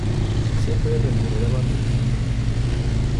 Siempre remuneraba mi visita.